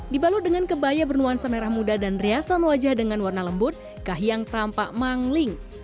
dibalut dengan kebaya bernuansa merah muda dan riasan wajah dengan warna lembut kahiyang tampak mangling